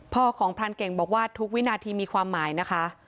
พ่อของพรานเก่งบอกว่าทุกวินาทีมีความหมายนะคะ